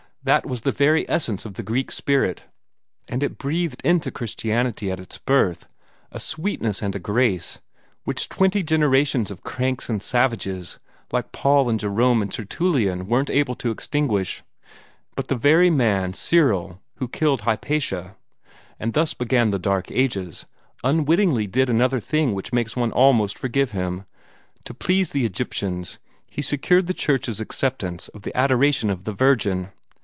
That was the very essence of the Greek spirit; and it breathed into Christianity at its birth a sweetness and a grace which twenty generations of cranks and savages like Paul and Jerome and Tertullian weren't able to extinguish. But the very man, Cyril, who killed Hypatia, and thus began the dark ages, unwittingly did another thing which makes one almost forgive him. To please the Egyptians, he secured the Church's acceptance of the adoration of the Virgin.